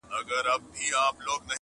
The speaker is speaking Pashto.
چي د ارزو غوټۍ مي څرنګه خزانه سوله؛